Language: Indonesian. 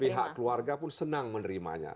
pihak keluarga pun senang menerimanya